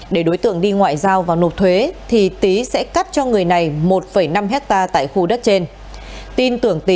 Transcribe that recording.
để đối tượng đi ngoại giao và nộp thuế thì tý sẽ cắt cho người này một năm hectare tại khu đất trên